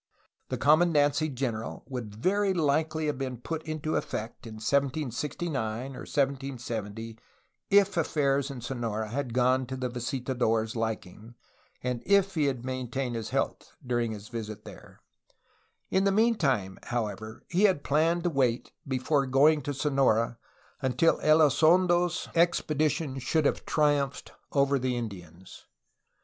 The commandancy general would very likely have been put into effect in 1769 or 1770 if affairs in Sonora had gone to the visitador' s liking and if he had retained his health dur ing his visit there. In the meantime, however, he had planned to wait before going to Sonora until Elizondo's expedition should have triumphed over the Indians.